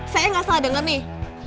saya nggak salah denger nih